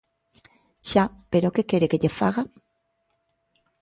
Xa, ¿pero que quere que lle faga?